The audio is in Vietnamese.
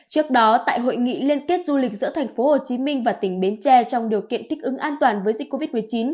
trước đó tại hội nghị liên kết du lịch giữa thành phố hồ chí minh và tỉnh bến tre trong điều kiện thích ứng an toàn với dịch covid một mươi chín